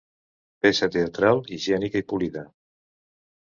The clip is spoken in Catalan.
Peça teatral higiènica i polida.